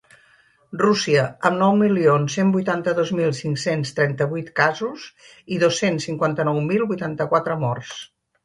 Rússia, amb nou milions cent vuitanta-dos mil cinc-cents trenta-vuit casos i dos-cents cinquanta-nou mil vuitanta-quatre morts.